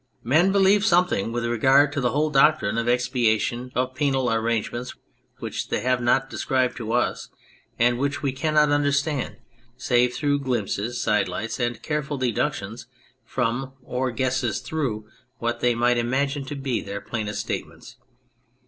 Men believed something with regard to the whole doctrine of expiation, of penal arrangements which they have not described to us and which we cannot understand save through glimpses, side lights, and careful deductions from or guesses through what they imagine to be their plainest statements.